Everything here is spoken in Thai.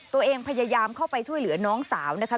ตัวเองพยายามเข้าไปช่วยเหลือน้องสาวนะคะ